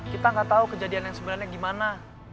kita gak tau kejadian yang sebenarnya gimana